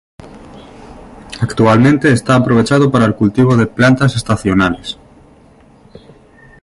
Actualmente está aprovechado para el cultivo de plantas estacionales.